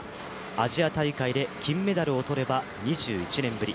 アジア大会で金メダルを取れば２１年ぶり。